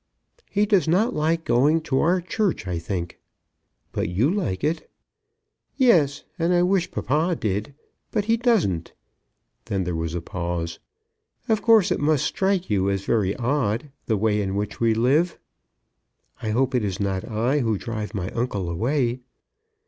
"He does not like going to our church, I think." "But you like it." "Yes; and I wish papa did. But he doesn't." Then there was a pause. "Of course it must strike you as very odd, the way in which we live." "I hope it is not I who drive my uncle away."